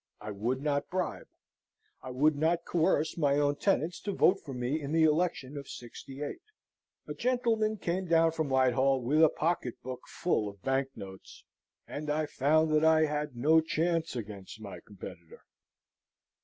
I would not bribe: I would not coerce my own tenants to vote for me in the election of '68. A gentleman came down from Whitehall with a pocket book full of bank notes; and I found that I had no chance against my competitor.